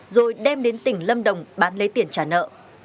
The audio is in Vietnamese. rồi đem đến tỉnh lâm đồng bán lấy tiền trả nợ